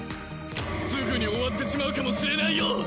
すぐに終わってしまうかもしれないよ！